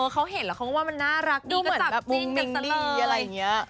เขาเห็นแล้วเขาก็ว่ามันน่ารักดูเหมือนจับจิ้งรีอะไรอย่างนี้